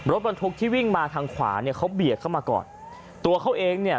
รถบรรทุกที่วิ่งมาทางขวาเนี่ยเขาเบียดเข้ามาก่อนตัวเขาเองเนี่ย